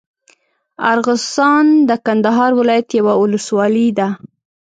ارغسان د کندهار ولايت یوه اولسوالي ده.